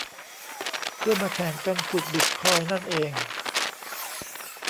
เพื่อมาแข่งกันขุดบิตคอยน์นั่นเอง